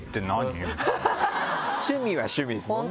趣味は趣味ですもんね